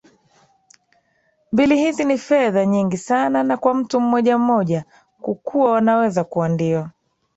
mbili hizi ni fedha nyingi sana Na kwa mtu mmoja mmoja kukuwanaweza kuwa ndio